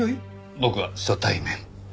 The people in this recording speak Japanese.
僕は初対面。